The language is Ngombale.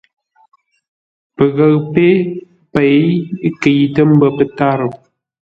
Pəghəʉ pé pêi kəitə ḿbə́ pə́tárə́.